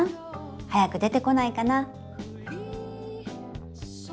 はやく出てこないかな」。